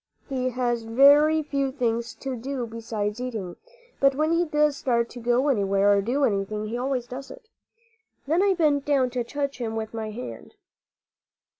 He has very few things to do besides eating; but when he does start to go anywhere or do anything he always does it. Then I bent down to touch him with my hand.